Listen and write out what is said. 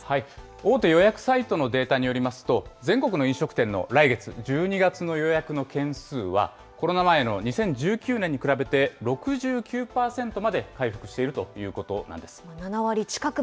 大手予約サイトのデータによりますと、全国の飲食店の来月・１２月の予約の件数は、コロナ前の２０１９年に比べて、６９％まで回復しているということなんです。